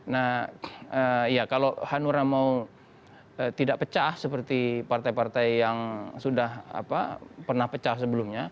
nah ya kalau hanura mau tidak pecah seperti partai partai yang sudah pernah pecah sebelumnya